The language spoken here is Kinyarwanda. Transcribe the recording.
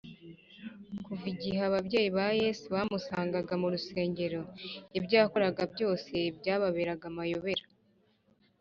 Kuva igihe ababyeyi ba Yesu bamusangaga mu rusengero, Ibyo yakoraga byose byababeraga amayobera